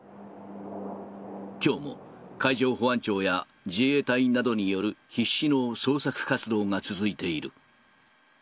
きょうも海上保安庁や自衛隊などによる必死の捜索活動が続いている。